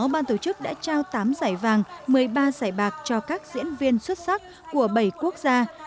ban tổ chức đã trao tám giải vàng một mươi ba giải bạc cho các diễn viên xuất sắc của bảy quốc gia